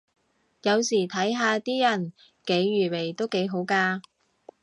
有時睇下啲人幾愚昧都幾好咖